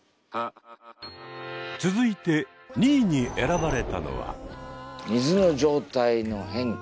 続いて２位に選ばれたのは。